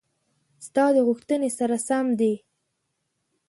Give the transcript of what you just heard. ستا د غوښتنې سره سم دي: